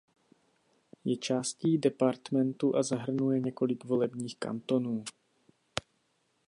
Je částí departementu a zahrnuje několik volebních kantonů.